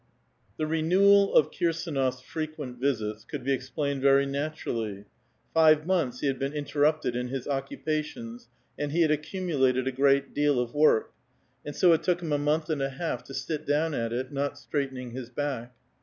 xxni. The renewal of Kusdnof's frequent visits could be explained very naturally ; five months he had been inter rupted in his occupations, and he had accumulated a great deal of work ; and so it took him a mouth and a half to sit down at it, not straightening his back.